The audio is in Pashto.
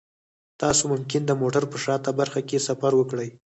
تاسو ممکن د موټر په شاته برخه کې سفر وکړئ